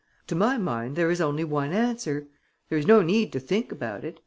To my mind there is only one answer. There is no need to think about it.